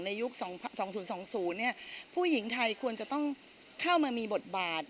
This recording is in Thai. ยุค๒๐๒๐ผู้หญิงไทยควรจะต้องเข้ามามีบทบาท